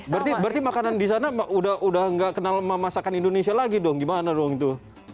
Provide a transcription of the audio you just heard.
berarti makanan di sana udah nggak kenal sama masakan indonesia lagi dong gimana dong itu